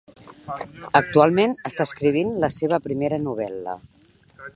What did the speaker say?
Actualment està escrivint la seva primera novel·la.